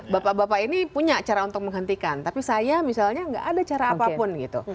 bapak bapak ini punya cara untuk menghentikan tapi saya misalnya nggak ada cara apapun gitu